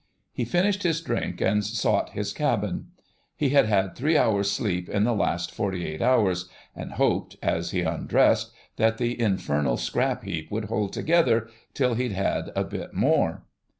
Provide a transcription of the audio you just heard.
He finished his drink and sought his cabin. He had had three hours' sleep in the last forty eight hours, and hoped, as he undressed, that the infernal scrap heap would hold together till he'd had a bit more.